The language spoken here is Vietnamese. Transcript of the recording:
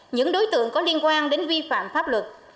những đối tượng có liên quan đến vi phạm pháp luật